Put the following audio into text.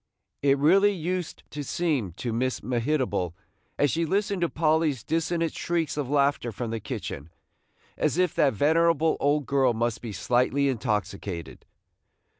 It really used to seem to Miss Mehitable, as she listened to Polly's dissonant shrieks of laughter from the kitchen, as if that venerable old girl must be slightly intoxicated.